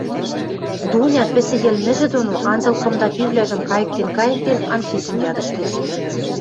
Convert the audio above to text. Дуня пӹсӹ йӹлмӹжӹ доно, анзыл кымда пӱвлӓжӹм кайыктен-кайыктен, Анфисӹм ядыштеш.